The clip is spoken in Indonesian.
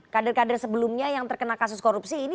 kader kader sebelumnya yang terkena kasus korupsi ini